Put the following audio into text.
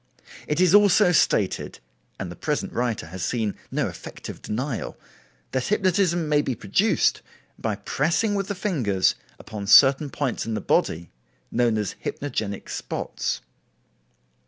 It is also stated, and the present writer has seen no effective denial, that hypnotism may be produced by pressing with the fingers upon certain points in the body, known as hypnogenic spots.